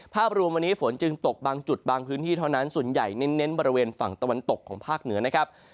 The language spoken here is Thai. ภาพรวมวันนี้ฝนจึงตกบางจุดบางพื้นที่เท่านั้นส่วนใหญ่เน้นบริเวณฝั่งตะวันตกของภาคเหนือนะครับ